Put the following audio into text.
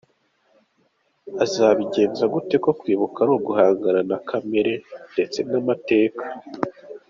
Azabigenza gute ko kwibuka ari uguhangana na kamere ndetse n’amateka ?